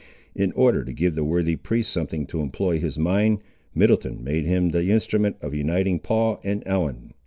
In order to give the worthy priest something to employ his mind, Middleton made him the instrument of uniting Paul and Ellen.